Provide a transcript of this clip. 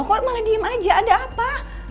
kok malah diem aja ada apa